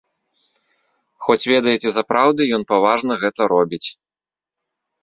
Хоць, ведаеце, запраўды, ён паважна гэта робіць.